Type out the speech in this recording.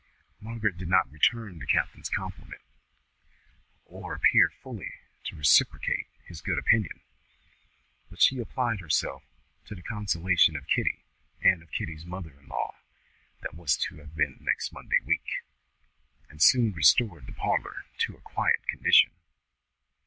Margaret did not return the captain's compliment, or appear fully to reciprocate his good opinion, but she applied herself to the consolation of Kitty, and of Kitty's mother in law that was to have been next Monday week, and soon restored the parlour to a quiet condition.